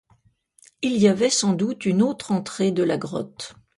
Il y avait sans doute une autre entrée de la grotte.